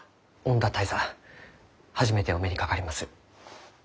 初めてお目にかかります。